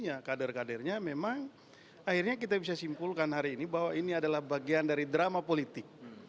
ya kader kadernya memang akhirnya kita bisa simpulkan hari ini bahwa ini adalah bagian dari drama politik